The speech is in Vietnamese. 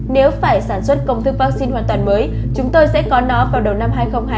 nếu phải sản xuất công thức vaccine hoàn toàn mới chúng tôi sẽ có nó vào đầu năm hai nghìn hai mươi